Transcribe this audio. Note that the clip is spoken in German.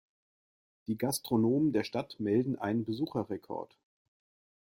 Die Gastronomen der Stadt melden einen Besucherrekord.